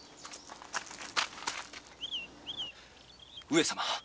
上様！